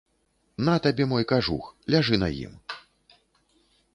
На табе мой кажух, ляжы на ім.